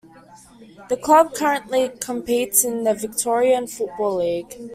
The club currently competes in the Victorian Football League.